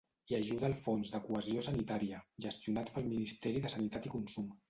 Hi ajuda el Fons de Cohesió Sanitària, gestionat pel Ministeri de Sanitat i Consum.